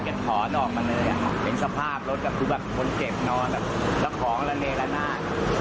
ผู้แังอ่ะคุณผู้ชมคือต้องขัดเข้ามาเลยเนี่ยมีความแรงของรถด้วยอะ